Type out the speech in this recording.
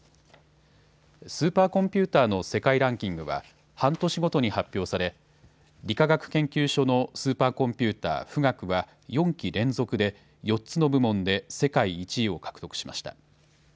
スーパーコンピューターの世界ランキングは半年ごとに発表され理化学研究所のスーパーコンピューター、富岳は４期連続で４つの部門で世界１位を獲得しました。